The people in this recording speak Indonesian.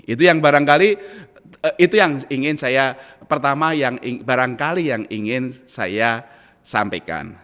itu yang barangkali itu yang ingin saya pertama yang barangkali yang ingin saya sampaikan